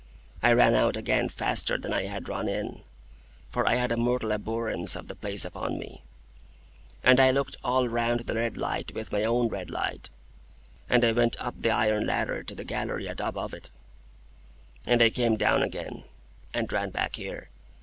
I ran out again faster than I had run in (for I had a mortal abhorrence of the place upon me), and I looked all round the red light with my own red light, and I went up the iron ladder to the gallery atop of it, and I came down again, and ran back here.